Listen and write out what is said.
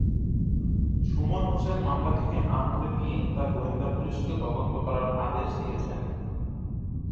সুমন হোসেন মামলাটি আমলে নিয়ে তা গোয়েন্দা পুলিশকে তদন্ত করার আদেশ দিয়েছেন।